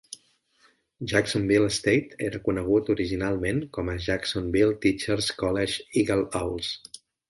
Jacksonville State era conegut originalment com a Jacksonville Teachers College Eagle Owls.